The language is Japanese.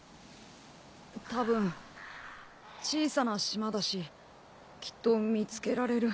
たぶん小さな島だしきっと見つけられる。